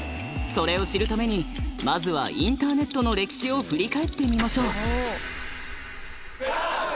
それを知るためにまずはインターネットの歴史を振り返ってみましょう。